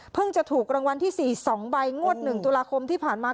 จะถูกรางวัลที่๔๒ใบงวด๑ตุลาคมที่ผ่านมา